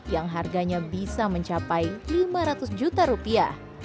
yang harganya bisa mencapai lima ratus juta rupiah